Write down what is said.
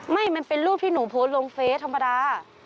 มันเป็นรูปที่หนูโพสต์ลงเฟสธรรมดา